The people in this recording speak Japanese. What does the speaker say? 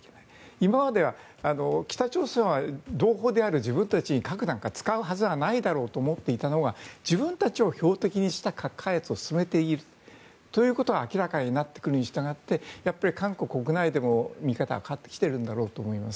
今までは北朝鮮は同胞である自分たちに核なんか使うはずはないだろうと思っていたのが自分たちを標的にした核開発を進めているということが明らかになってくるにしたがって韓国国内でも見方が変わってきているんだろうと思います。